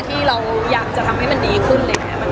ที่เราอยากจะทำให้มันดีขึ้นเลยไง